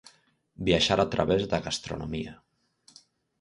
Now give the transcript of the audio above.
Viaxar a través da gastronomía.